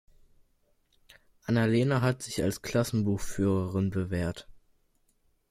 Anna-Lena hat sich als Klassenbuchführerin bewährt.